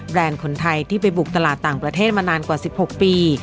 คนไทยที่ไปบุกตลาดต่างประเทศมานานกว่า๑๖ปี